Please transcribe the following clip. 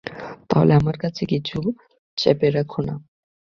তা হলে আমার কাছে কিছু চেপে রেখো না।